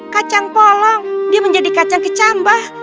kacang polong dia menjadi kacang kecambah